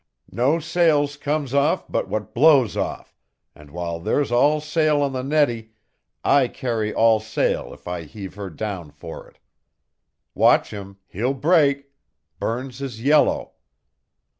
"No sail comes off but what blows off, and while there's all sail on the Nettie I carry all sail if I heave her down for it. Watch him, he'll break. Burns is yellow."